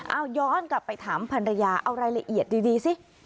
เอาย้อนกลับไปถามภรรยาเอารายละเอียดดีสิ